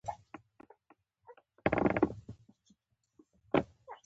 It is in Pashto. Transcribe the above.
د ډول غږ راغی.